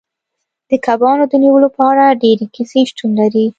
د کبانو د نیولو په اړه ډیرې کیسې شتون لري